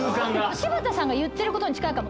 柴田さんが言ってることに近いかも。